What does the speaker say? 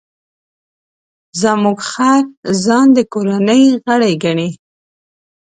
زموږ خر ځان د کورنۍ غړی ګڼي.